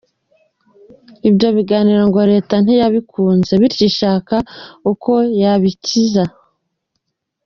Ibyo biganiro ngo Leta ntiyabikunze bityo ishaka uko yabikiza.